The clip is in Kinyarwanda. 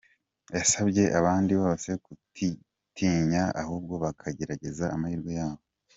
Yasabye abandi bose kutitinya ahubwo bakagerageza amahirwe yabo.